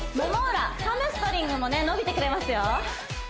裏ハムストリングもね伸びてくれますよ